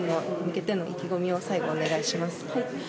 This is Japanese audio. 次戦に向けての意気込みを最後、お願いします。